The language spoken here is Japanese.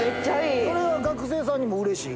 それは学生さんにもうれしいな。